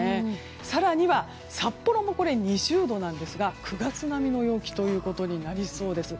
更には札幌も２０度なんですが９月並みの陽気となりそうです。